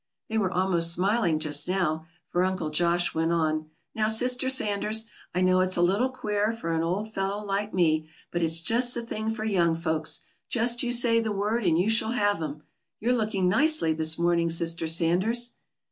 They were almost smiling just now, for Uncle Josh went on: "Now, Sister Sanders, I know it's a little queer for an old fellow like me, but it's just the thing for young folks. Just you say the word, and you shall have 'em. You're looking nicely this morning, Sister Sanders."